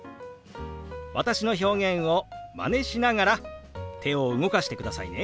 私の表現をマネしながら手を動かしてくださいね。